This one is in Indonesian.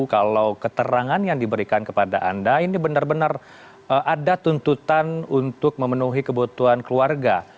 kalau keterangan yang diberikan kepada anda ini benar benar ada tuntutan untuk memenuhi kebutuhan keluarga